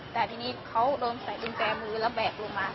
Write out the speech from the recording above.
แต่ที่นี่เขาโดนใส่บินแปรมือและแบกลงมา